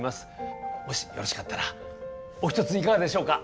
もしよろしかったらお一ついかがでしょうか？